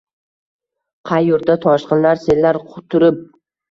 Qay yurtda toshqinlar, sellar quturib